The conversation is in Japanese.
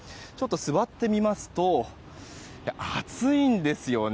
座ってみますと熱いんですよね。